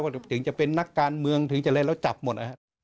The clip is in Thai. หรือถึงจะเป็นนักการเมืองถึงเราร่วมแล้วจับหมด